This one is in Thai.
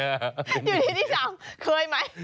อยู่ที่ที่๓เคยไหม